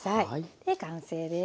で完成です。